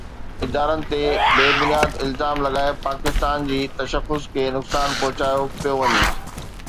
ادارن تي بي بنياد الزام لڳائي پاڪستان جي تشخص کي نقصان پهچايو پيو وڃي